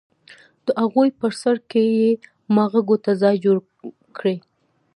د اغوئ په سر کې يې ماغزو ته ځای جوړ کړی.